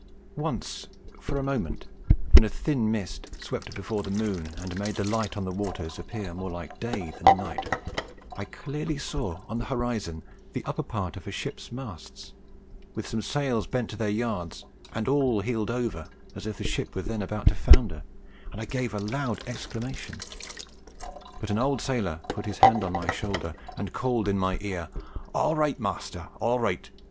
Once for a moment, when a thin mist swept before the moon and made the light on the waters appear more like day than night, I clearly saw on the horizon the upper part of a ship's masts, with some sails bent to their yards, and all heeled over as if the ship were then about to founder, and I gave a loud exclamation; but an old sailor put his hand on my shoulder and called in my ear, "All right, master, all right!